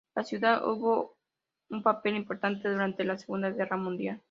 La ciudad jugó un papel importante durante la Segunda Guerra Mundial.